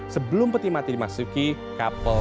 sebelum peti mati dimasuki kapol st george